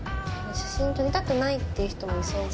写真撮りたくないっていう人もいそうじゃん。